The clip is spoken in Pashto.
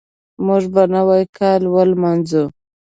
موږ به نوی کال ولمانځو.